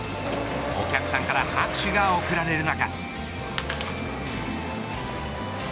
お客さんから拍手が送られる中。